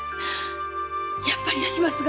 やっぱり吉松が！